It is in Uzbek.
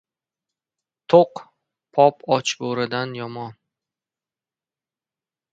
• To‘q pop och bo‘ridan yomon.